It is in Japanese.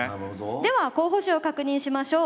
では候補手を確認しましょう。